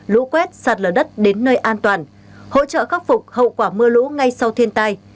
lũ quét sạt lở đất đến nơi an toàn hỗ trợ khắc phục hậu quả mưa lũ ngay sau thiên tai